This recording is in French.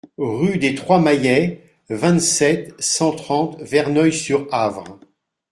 Rue des Trois Maillets, vingt-sept, cent trente Verneuil-sur-Avre